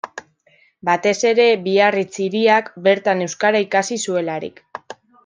Batez ere Biarritz hiriak, bertan euskara ikasi zuelarik.